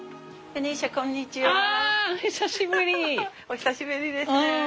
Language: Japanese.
お久しぶりですね。